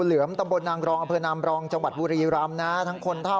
เหลือมตำบลนางกรองระเภนอำรองจังหวัดบุลีรำนะ